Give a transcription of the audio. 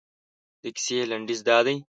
د کیسې لنډیز دادی.